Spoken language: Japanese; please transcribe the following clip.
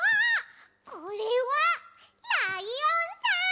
これはライオンさん？